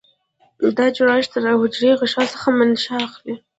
دا جوړښت له حجروي غشا څخه منشأ اخلي.